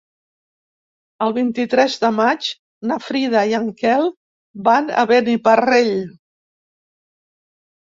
El vint-i-tres de maig na Frida i en Quel van a Beniparrell.